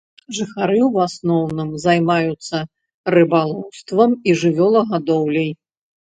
Жыхары ў асноўным займаюцца рыбалоўствам і жывёлагадоўляй.